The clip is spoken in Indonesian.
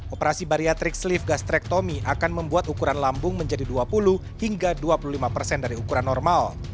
operasi bariatrik sleeve gastrectomy akan membuat ukuran lambung menjadi dua puluh hingga dua puluh lima persen dari ukuran normal